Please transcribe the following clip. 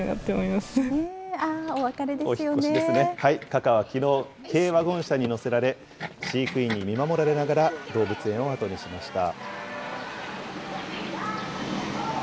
カカはきのう、軽ワゴン車に乗せられ、飼育員に見守られながら動物園を後にしました。